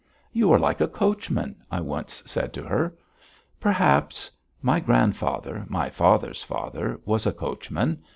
"You are like a coachman!" I once said to her. "Perhaps. My grandfather, my father's father, was a coachman.